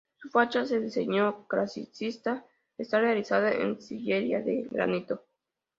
Su fachada de diseño clasicista está realizada en sillería de granito.